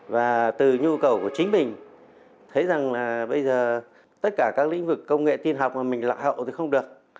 và từ nhu cầu của chính mình thấy rằng là bây giờ tất cả các lĩnh vực công nghệ tin học mà mình lạc hậu thì không được